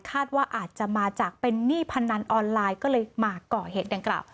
ว่าอาจจะมาจากเป็นหนี้พนันออนไลน์ก็เลยมาก่อเหตุดังกล่าว